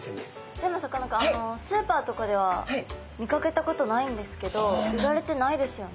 でもさかなクンあのスーパーとかでは見かけたことないんですけど売られてないですよね。